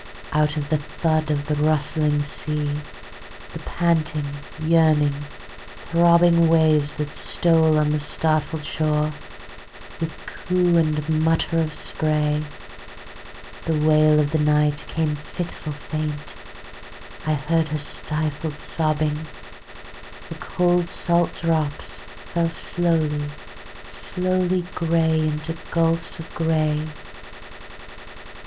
Out of the thud of the rustling sea—the panting, yearning, throbbingWaves that stole on the startled shore, with coo and mutter of spray—The wail of the Night came fitful faint,—I heard her stifled sobbing:The cold salt drops fell slowly, slowly, gray into gulfs of gray.